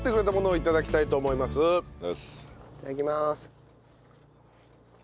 いただきます。